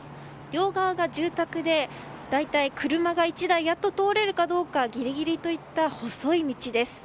両側が住宅で大体、車が１台通れるかどうかギリギリといった細い道です。